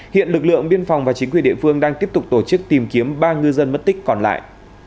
hiện lực lượng biên phòng và chính quyền địa phương đang tiếp tục tổ chức tìm kiếm ba ngư dân mất tích còn lại